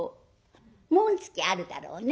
紋付きあるだろうね？」。